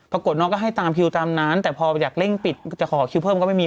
น้องก็ให้ตามคิวตามนั้นแต่พออยากเร่งปิดจะขอคิวเพิ่มก็ไม่มี